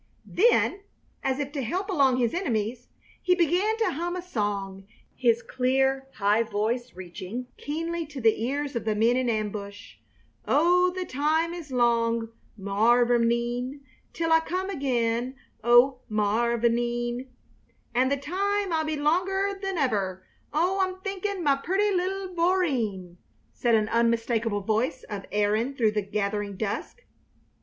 Then, as if to help along his enemies, he began to hum a song, his clear, high voice reaching keenly to the ears of the men in ambush: "'Oh, the time is long, mavourneen, Till I come again, O mavourneen '" "And the toime 'll be longer thun iver, oim thinkin', ma purty little voorneen!" said an unmistakable voice of Erin through the gathering dusk.